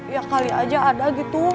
ya kali aja ada gitu